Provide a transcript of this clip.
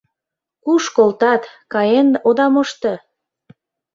Куш колтат — каен ода мошто...